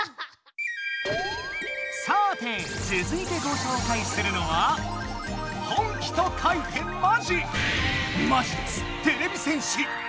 さてつづいてごしょうかいするのは「本気」と書いて「まじ」！